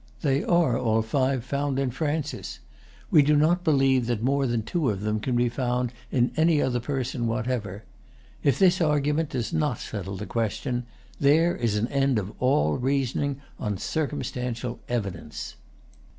They are all five found in Francis. We do not believe that more than two of them can be found in any other person whatever. If this argument does not settle the question, there is an end of all reasoning on circumstantial evidence.